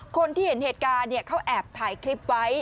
คนที่เห็นเหตุการณ์เขาแอบถ่ายคลิปไว้